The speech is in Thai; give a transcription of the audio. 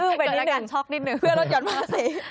อื้มไปนิดหนึ่งเพื่อลดหย่อนภาษี